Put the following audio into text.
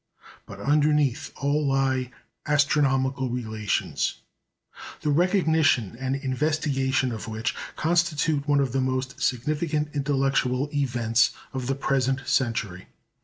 But underneath all lie astronomical relations, the recognition and investigation of which constitute one of the most significant intellectual events of the present century.